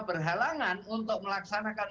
berhalangan untuk melaksanakan